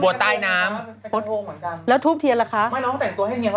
บอกขึ้นมาเอาเหรียญ